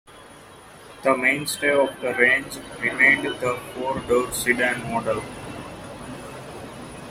The mainstay of the range remained the four-door sedan model.